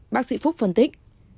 bác sĩ phúc